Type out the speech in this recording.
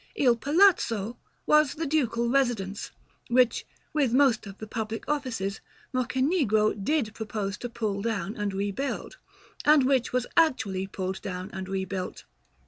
"Il Palazzo" was the Ducal residence, which, with most of the public offices, Mocenigo did propose to pull down and rebuild, and which was actually pulled down and rebuilt.